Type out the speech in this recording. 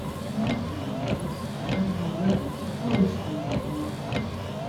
Non-polar molecules, such as retinol or lipids, are poorly soluble in water.